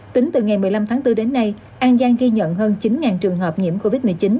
tính từ ngày một mươi năm tháng bốn đến nay an giang ghi nhận hơn chín trường hợp nhiễm covid một mươi chín